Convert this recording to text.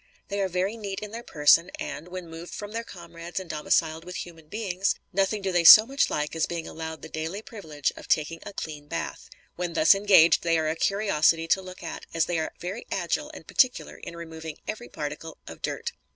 They are very neat in their person and, when moved from their comrades and domiciled with human beings, nothing do they so much like as being allowed the daily privilege of taking a clean bath. When thus engaged, they are a curiosity to look at, as they are very agile and particular in removing every particle of dirt.